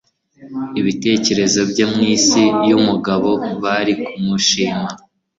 ibitekerezo bye mwisi yumugabo bari kumushima